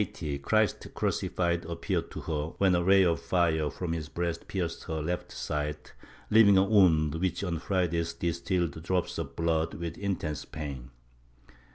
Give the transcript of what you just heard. About 1580 Christ crucified appeared to her, when a ray of fire from his breast pierced her left side, leaving a wound which on Fridays distilled drops of blood with intense pain.